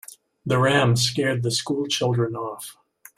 The ram scared the school children off.